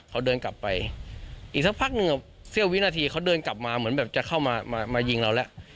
เขาเดินกลับไปอีกสักพักหนึ่งเสี้ยววินาทีเขาเดินกลับมาเหมือนแบบจะเข้ามามายิงเราแล้ว